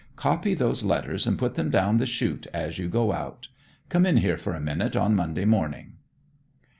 Copy those letters, and put them down the chute as you go out. Come in here for a minute on Monday morning."